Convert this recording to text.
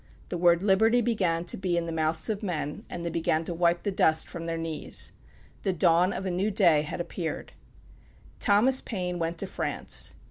The word liberty began to be in the mouths of men, and they began to wipe the dust from their knees. The dawn of a new day had appeared. Thomas Paine went to France.